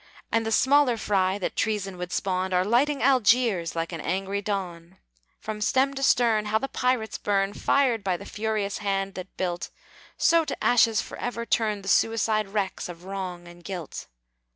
And the smaller fry that Treason would spawn Are lighting Algiers like an angry dawn! From stem to stern, how the pirates burn, Fired by the furious hands that built! So to ashes forever turn The suicide wrecks of wrong and guilt!